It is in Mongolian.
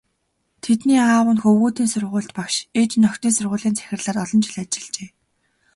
Тэдний аав нь хөвгүүдийн сургуульд багш, ээж нь охидын сургуулийн захирлаар олон жил ажиллажээ.